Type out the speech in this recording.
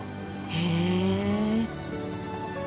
へえ。